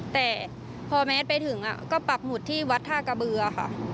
แต่พอแมทไปถึงก็ปักหมุดที่วัดท่ากระเบือค่ะ